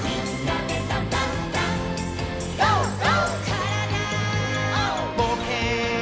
「からだぼうけん」